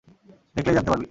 দেখলেই জানতে পারবি।